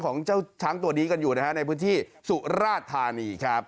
ของเจ้าช้างตัวนี้กันอยู่นะฮะในพื้นที่สุราธานีครับ